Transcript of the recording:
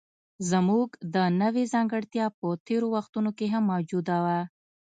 زموږ د نوعې ځانګړتیا په تېرو وختونو کې هم موجوده وه.